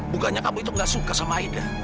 bukannya kamu itu gak suka sama aida